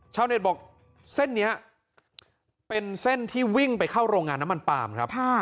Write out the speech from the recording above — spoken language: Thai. เน็ตบอกเส้นนี้เป็นเส้นที่วิ่งไปเข้าโรงงานน้ำมันปาล์มครับ